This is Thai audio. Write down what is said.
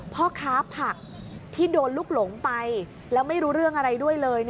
พ่อค้าผักที่โดนลุกหลงไปแล้วไม่รู้เรื่องอะไรด้วยเลย